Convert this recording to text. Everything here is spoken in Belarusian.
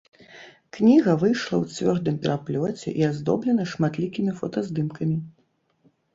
Кніга выйшла ў цвёрдым пераплёце і аздоблена шматлікімі фотаздымкамі.